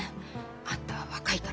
「あんたは若いから」